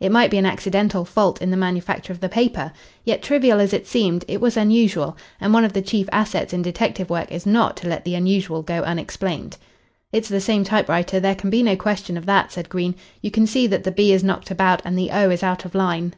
It might be an accidental fault in the manufacture of the paper. Yet, trivial as it seemed, it was unusual, and one of the chief assets in detective work is not to let the unusual go unexplained. "It's the same typewriter. There can be no question of that," said Green. "You can see that the 'b' is knocked about and the 'o' is out of line."